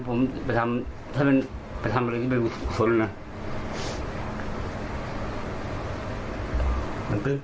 หกพูดทั้งมูกของคุณนายครับ